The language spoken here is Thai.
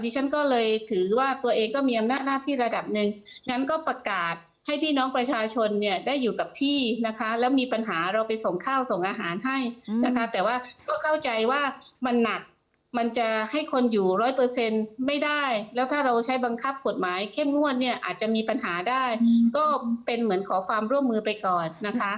ฉันก็เลยถือว่าตัวเองก็มีอำนาจหน้าที่ระดับหนึ่งงั้นก็ประกาศให้พี่น้องประชาชนเนี่ยได้อยู่กับที่นะคะแล้วมีปัญหาเราไปส่งข้าวส่งอาหารให้นะคะแต่ว่าก็เข้าใจว่ามันหนักมันจะให้คนอยู่ร้อยเปอร์เซ็นต์ไม่ได้แล้วถ้าเราใช้บังคับกฎหมายเข้มงวดเนี่ยอาจจะมีปัญหาได้ก็เป็นเหมือนขอความร่วมมือไปก่อนนะคะ